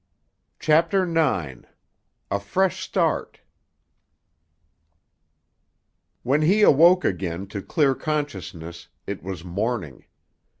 CHAPTER IX—A FRESH START When he awoke again to clear consciousness, it was morning.